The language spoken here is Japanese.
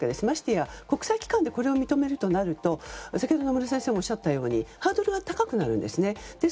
ましてや国際機関でこれを認めるとなると先ほど野村先生もおっしゃったようにハードルが高くなるんですね。